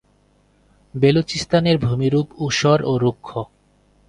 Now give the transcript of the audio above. বেলুচিস্তানের ভূমিরূপ ঊষর ও রুক্ষ।